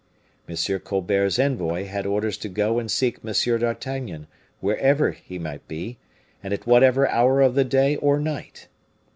M. Colbert's envoy had orders to go and seek M. d'Artagnan, wherever he might be, or at whatever hour of the day or night.